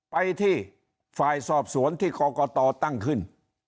ไปที่ฝ่ายสอบสวนที่กรกตตั้งขึ้น